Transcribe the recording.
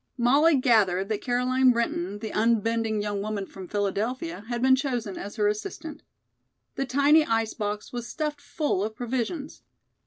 Molly gathered that Caroline Brinton, the unbending young woman from Philadelphia, had been chosen as her assistant. The tiny ice box was stuffed full of provisions.